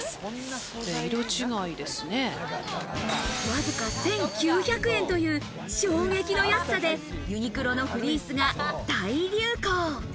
わずか１９００円という衝撃の安さで、ユニクロのフリースが大流行。